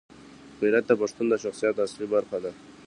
غیرت د پښتون د شخصیت اصلي برخه ده.